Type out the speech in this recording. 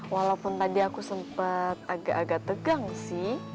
walaupun tadi aku sempat agak agak tegang sih